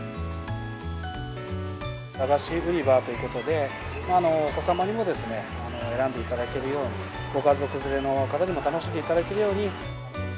駄菓子売り場ということで、お子様にも選んでいただけるように、ご家族連れの方でも楽しんでいただけるように。